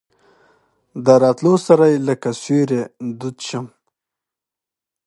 د راتلو سره یې لکه سیوری دود شم.